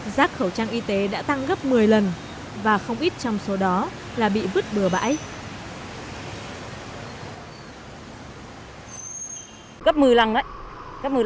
rác khẩu trang y tế đã tăng gấp một mươi lần và không ít trong số đó là bị vứt bừa bãi